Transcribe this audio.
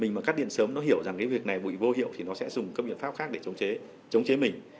mình mà cắt điện sớm nó hiểu rằng cái việc này bụi vô hiệu thì nó sẽ dùng các biện pháp khác để chống chế mình